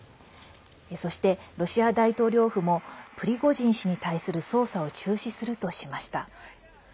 そしてロシア大統領府もプリゴジン氏に対する捜査を中止するとしました。